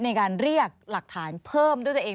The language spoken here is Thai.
ในการเรียกหลักฐานเพิ่มด้วยตัวเอง